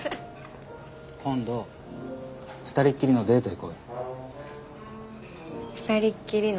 二人っきりのデート行こうよ。